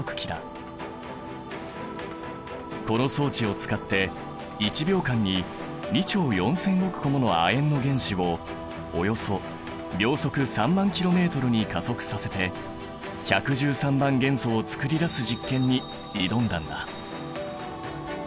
この装置を使って１秒間に２兆４千億個もの亜鉛の原子をおよそ秒速３万ｋｍに加速させて１１３番元素を作り出す実験に挑んだんだ。